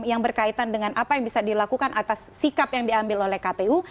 yang berkaitan dengan apa yang bisa dilakukan atas sikap yang diambil oleh kpu